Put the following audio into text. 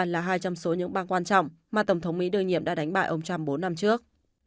là hai trong số những bang quan trọng mà tổng thống mỹ đương nhiệm đã đánh bại ông trump bốn năm trước